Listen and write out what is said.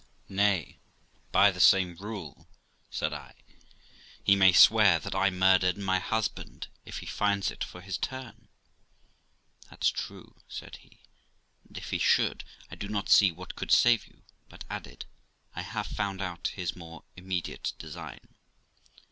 'Nay, by the same rule', said I, 'he may swear that I murdered my husband, if he finds it for his turn.' 'That's true', said he; 'and if he should, I do not see what could save you'; but added, 'I have found out his more immediate design.